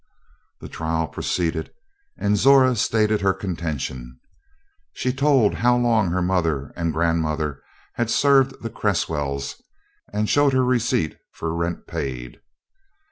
The trial proceeded, and Zora stated her contention. She told how long her mother and grandmother had served the Cresswells and showed her receipt for rent paid.